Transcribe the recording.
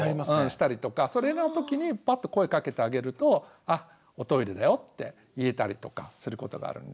それの時にパッと声かけてあげるとあっおトイレだよって言えたりとかすることがあるんで。